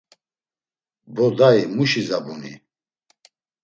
Bo dayi, muşi zabuni?